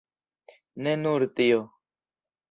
Ne nur tio.